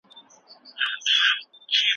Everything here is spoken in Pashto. که ميرمن د خاوند نافرمانه وه.